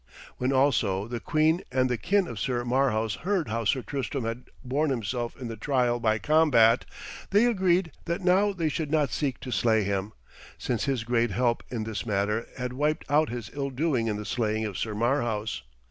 When, also, the queen and the kin of Sir Marhaus heard how Sir Tristram had borne himself in the trial by combat, they agreed that now they should not seek to slay him, since his great help in this matter had wiped out his ill doing in the slaying of Sir Marhaus.